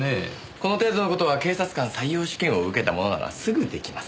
この程度の事は警察官採用試験を受けた者ならすぐ出来ます。